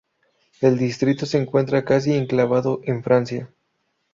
El distrito se encuentra casi enclavado en Francia.